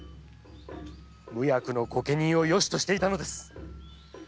無役の御家人をよしとしていたのです。